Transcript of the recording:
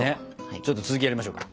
ちょっと続きをやりましょうか。